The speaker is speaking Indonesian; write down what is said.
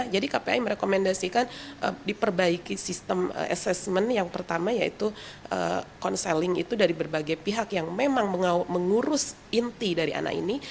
jadi kpai merekomendasikan diperbaiki sistem asesmen yang pertama yaitu counselling itu dari berbagai pihak yang memang mengurus inti dari anak ini